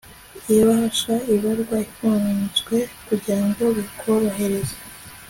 Ibahasha ibarwa ifunzwe kugirango bikworohereze